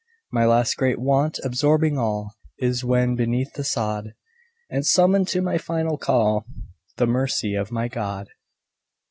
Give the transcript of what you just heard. My last great Want absorbing all Is, when beneath the sod, And summoned to my final call, The Mercy of my God.